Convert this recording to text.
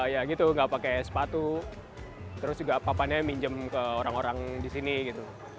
ya gitu nggak pakai sepatu terus juga papannya minjem ke orang orang di sini gitu